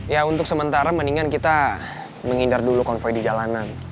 ya untuk sementara mendingan kita menghindar dulu konvoy di jalanan